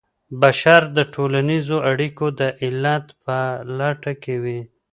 بشر د ټولنيزو اړيکو د علت په لټه کي وي.